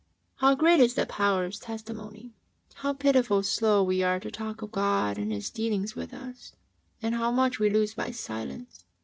" How great is the power of Testimony I How pitifully slow we are to talk of God and His dealings with us, and how much we lose by silence